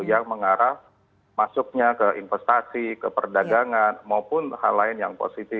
yang mengarah masuknya ke investasi ke perdagangan maupun hal lain yang positif